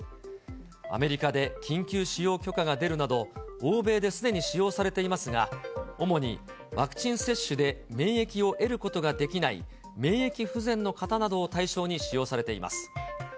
アメリカで緊急使用許可が出るなど、欧米ですでに使用されていますが、主にワクチン接種で免疫を得ることができない免疫不全の方などを対象に使用されています。